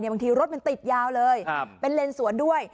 บางทีรถมันติดยาวเลยเป็นเลนสวนด้วย